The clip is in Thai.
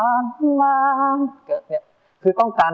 ช่วยฝังดินหรือกว่า